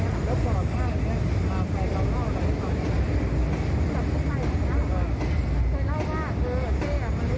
เคยเล่าว่าเออเต้อ่ะมันรู้จักคนเยอะนะในสมุดประการอ่ะ